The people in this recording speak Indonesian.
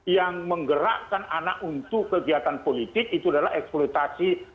yang menggerakkan anak untuk kegiatan politik itu adalah eksploitasi